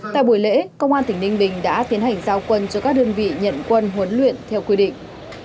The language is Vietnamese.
tại buổi lễ công an tỉnh ninh bình đã tiến hành giao quân cho các đơn vị nhận quân huấn luyện theo quy định